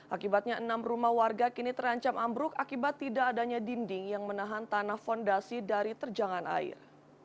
akibatnya enam rumah warga kini terancam ambruk akibat tidak adanya dinding yang menahan tanah fondasi dari terjangan air